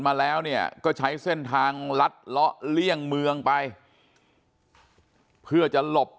มาแล้วเนี่ยก็ใช้เส้นทางลัดเลาะเลี่ยงเมืองไปเพื่อจะหลบ